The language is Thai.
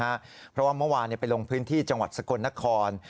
เพราะว่าเมื่อวานไปลงพื้นที่จังหวัดสกลนคร